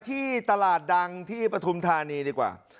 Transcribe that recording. ที่ตลาดดังที่ปฐุมธานีดีกว่า